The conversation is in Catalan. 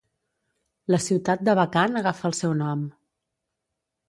La ciutat d'Abakan, agafa el seu nom.